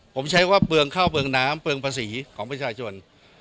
ผมใช้ว่าเปลืองข้าวเปลืองน้ำเปลืองภาษีของประชาชน